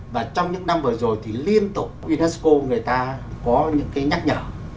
và trong những năm vừa rồi thì liên tục unesco người ta có những cái nhắc nhở